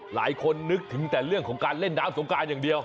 หลายคนนึกถึงแต่เรื่องของการเล่นน้ำสงการอย่างเดียว